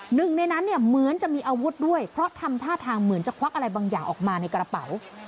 หนึ่งในนั้นเนี่ยเหมือนจะมีอาวุธด้วยเพราะทำท่าทางเหมือนจะควักอะไรบางอย่างออกมาในกระเป๋า